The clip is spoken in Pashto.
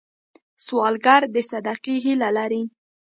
سوالګر د صدقې هیله لري